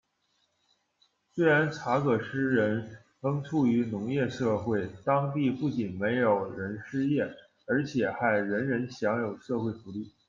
虽然查戈斯人仍处于农业社会，当地不仅没有人失业，并且还人人享有社会福利。